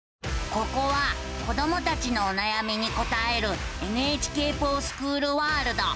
ここは子どもたちのおなやみに答える「ＮＨＫｆｏｒＳｃｈｏｏｌワールド」。